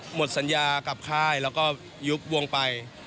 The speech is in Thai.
หมดสัญญากับค่ายแล้วก็ยุบวงไป